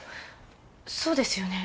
そうですよね。